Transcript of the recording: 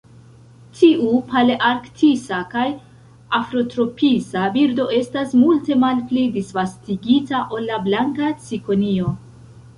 Tiu palearktisa kaj afrotropisa birdo estas multe malpli disvastigita ol la Blanka cikonio.